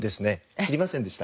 知りませんでした。